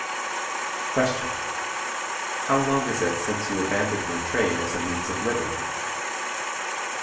Question. HOW LONG IS IT SINCE YOU ABANDONED YOUR TRADE AS A MEANS OF LIVING?